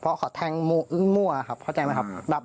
เพราะแทงมั่วครับเข้าใจไหมครับ